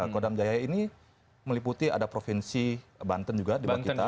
kodam jaya ini meliputi ada provinsi banten juga di bawah kita